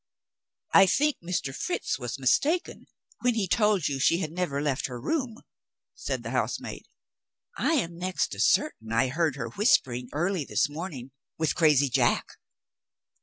"I think Mr. Fritz was mistaken, when he told you she had never left her room," said the housemaid. "I am next to certain I heard her whispering, early this morning, with crazy Jack.